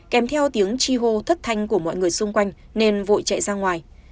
kèm theo tiếng chi hô thất thanh của mọi người xung quanh nên vội chạy ra ngoài